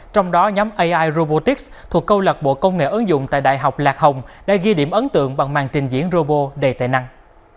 trong đó nhóm ai robotics thuộc câu lạc bộ công nghệ ứng dụng tại đại học lạc hồng đã ghi điểm ấn tượng bằng màn trình diễn robot đầy tài năng